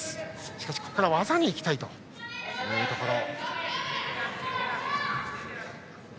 しかし、そこから技に行きたいというところ。